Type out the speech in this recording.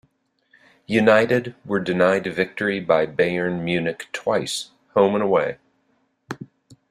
United were denied victory by Bayern Munich twice, home and away.